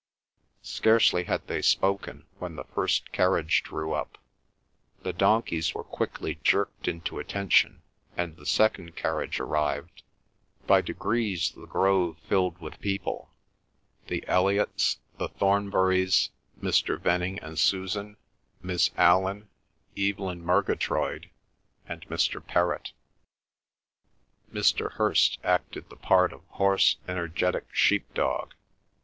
Scarcely had they spoken, when the first carriage drew up. The donkeys were quickly jerked into attention, and the second carriage arrived. By degrees the grove filled with people—the Elliots, the Thornburys, Mr. Venning and Susan, Miss Allan, Evelyn Murgatroyd, and Mr. Perrott. Mr. Hirst acted the part of hoarse energetic sheep dog.